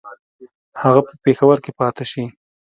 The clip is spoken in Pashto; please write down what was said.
هغه په پېښور کې پاته شي.